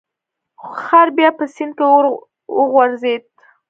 خر بیا په سیند کې وغورځید.